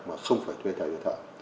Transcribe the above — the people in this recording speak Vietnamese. mà không phải thuê thầy về thợ